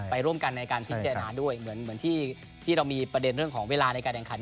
ไปร่วมกันในการพิจารณาด้วยเหมือนที่เรามีประเด็นเรื่องของเวลาในการแข่งขัน